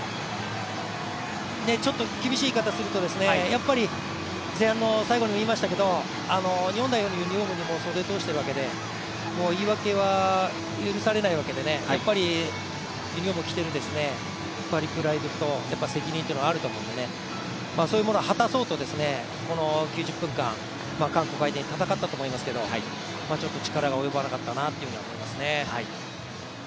厳しい言い方をすると、やっぱり日本代表のユニフォームに袖を通しているわけで言い訳は許されないわけでユニフォームを着ているプライドと責任というのがあると思います、その責任を果たそうとこの９０分間、韓国相手に戦ったと思いますけど、ちょっと力が及ばなかったなというふうに思いますね。